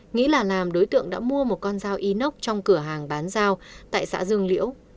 nghĩ là nam đối tượng đã mua một con dao inox trong cửa hàng bán rau tại xã dương liễu